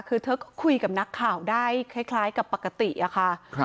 คือเธอก็คุยกับนักข่าวได้คล้ายกับปกติอะค่ะ